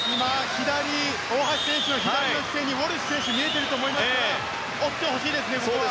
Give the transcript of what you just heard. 大橋選手の左の視線にウォルシュ選手が見えていると思いますが追ってほしいです。